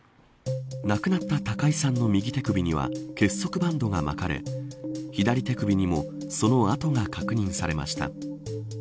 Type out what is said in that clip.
亡くなった高井さんの右手首には結束バンドが巻かれ左手首にもその痕が確認されました。